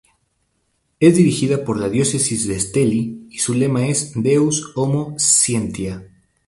Es dirigida por la Diócesis de Estelí y su lema es "Deus-Homo-Scientia".